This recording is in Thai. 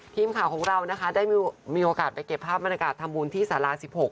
ทีมข่าวของเราได้มีโอกาสไปเก็บภาพบรรณากาศธรรมูลที่ศาลา๑๖